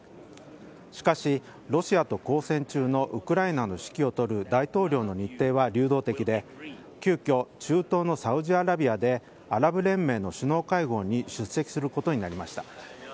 しかし、ロシアと交戦中のウクライナの指揮を執る大統領の日程は流動的で急きょ、中東のサウジアラビアへアラブ連盟の首脳会合に出席することになりました。